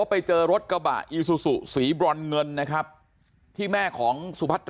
แล้วก็ยัดลงถังสีฟ้าขนาด๒๐๐ลิตร